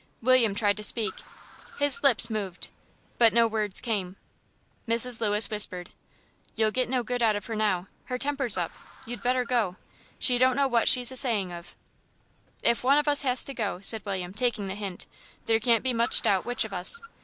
William tried to speak; his lips moved, but no words came. Mrs. Lewis whispered, "You'll get no good out of her now, her temper's up; you'd better go. She don't know what she's a saying of." "If one of us has to go," said William, taking the hint, "there can't be much doubt which of us."